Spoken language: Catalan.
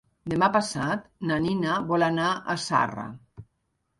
Demà passat na Nina vol anar a Zarra.